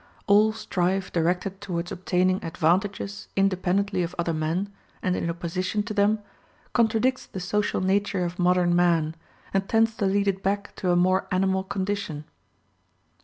All strife directed towards obtaining advantages independently of other men, and in opposition to them, contradicts the social nature of modern man, and tends to lead it back to a more animal condition.